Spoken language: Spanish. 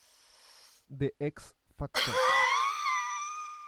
The X Factor